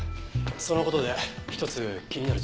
その事で一つ気になる情報が。